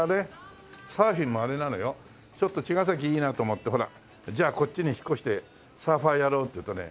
サーフィンもあれなのよちょっと茅ヶ崎いいなと思ってじゃあこっちに引っ越してサーファーやろうっていうとね